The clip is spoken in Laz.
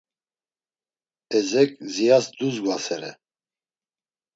Ezek Ziyas duzgvasere.